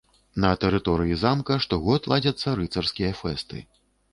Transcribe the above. На тэрыторыі замка штогод ладзяцца рыцарскія фэсты.